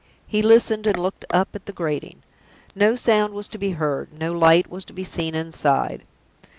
He listened, and looked up at the grating. No sound was to be heard, no light was to be seen inside.